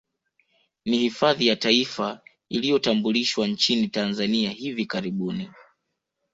Ni hifadhi ya Taifa iliyotambulishwa nchini Tanzania hivi karibuni